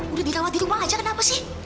udah dirawat di rumah aja kenapa sih